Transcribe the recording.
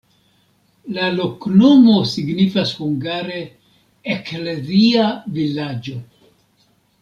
La loknomo signifas hungare: eklezia-vilaĝo.